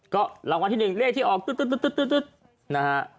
ก็รางวัลที่๑เลขที่ออกตึ๊ดนะฮะ